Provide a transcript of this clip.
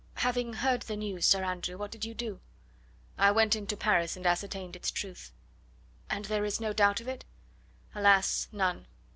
"Having heard the news, Sir Andrew, what did you do?" "I went into Paris and ascertained its truth." "And there is no doubt of it?" "Alas, none!